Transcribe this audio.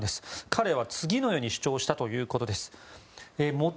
彼は次のように主張したということです。